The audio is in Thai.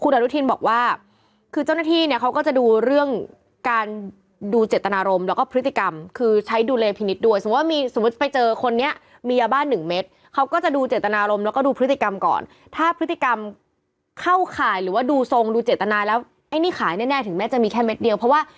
อนุทินบอกว่าคือเจ้าหน้าที่เนี่ยเขาก็จะดูเรื่องการดูเจตนารมณ์แล้วก็พฤติกรรมคือใช้ดุลพินิษฐ์ด้วยสมมุติว่ามีสมมุติไปเจอคนนี้มียาบ้านหนึ่งเม็ดเขาก็จะดูเจตนารมณ์แล้วก็ดูพฤติกรรมก่อนถ้าพฤติกรรมเข้าข่ายหรือว่าดูทรงดูเจตนาแล้วไอ้นี่ขายแน่ถึงแม้จะมีแค่เม็ดเดียวเพราะว่า